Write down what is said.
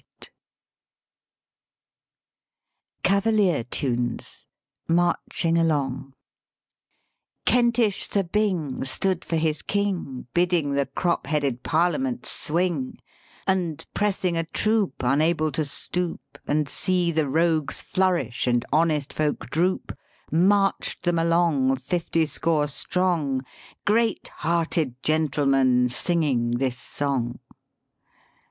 139 THE SPEAKING VOICE CAVALIER TUNES MARCHING ALONG " Kentish Sir Byng stood for his King, Bidding the crop headed Parliament swing: And, pressing a troop unable to stoop And see the rogues nourish and honest folk droop, Marched them along, fifty score strong, Great hearted gentlemen, singing this song.